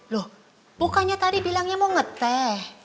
loh bukannya tadi bilangnya mau ngeteh